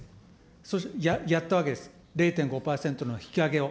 そして、やったわけです、０．５％の引き上げを。